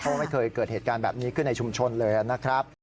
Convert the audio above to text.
เพราะว่าไม่เคยเกิดเหตุการณ์แบบนี้ขึ้นในชุมชนเลยนะครับ